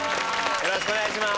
よろしくお願いします